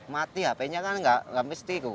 mati hp nya kan enggak enggak mesti kok